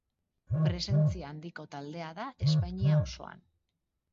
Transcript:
Presentzia handiko taldea da Espainia osoan.